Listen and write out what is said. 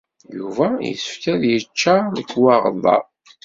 Yuba yessefk ad yeččaṛ lekwaɣeḍ-a.